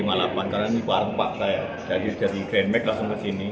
karena ini baru empat tahun dari grand mag langsung ke sini